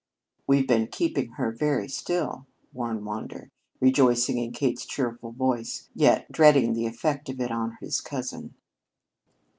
"We've been keeping her very still," warned Wander, rejoicing in Kate's cheerful voice, yet dreading the effect of it on his cousin.